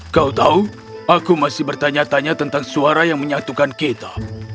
kau tahu aku masih bertanya tanya tentang suara yang menyatukan kita